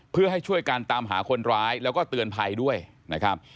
เพื่อให้ช่วยการตามหาคนร้ายแล้วก็เตือนภัยด้วยนะครับ